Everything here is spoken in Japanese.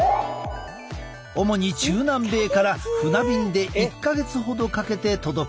主に中南米から船便で１か月ほどかけて届く。